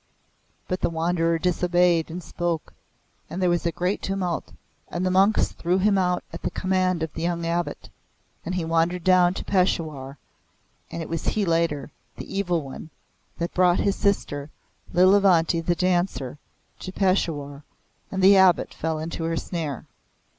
But the wanderer disobeyed and spoke, and there was a great tumult, and the monks threw him out at the command of the young Abbot, and he wandered down to Peshawar, and it was he later the evil one! that brought his sister, Lilavanti the Dancer, to Peshawar, and the Abbot fell into her snare.